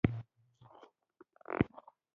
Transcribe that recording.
هلته قبة الصخره او الاقصی جوماتونه جوړ شوي.